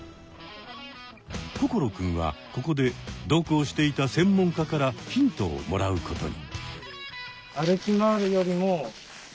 心くんはここで同行していた専門家からヒントをもらうことに！